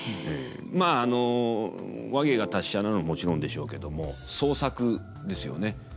まああの話芸が達者なのもちろんでしょうけども創作ですよね。